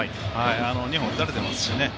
２本、打たれていますしね。